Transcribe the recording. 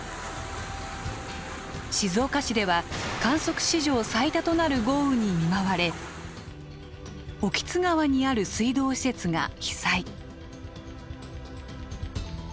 静岡市では観測史上最多となる豪雨に見舞われ興津川にある水道施設が被災。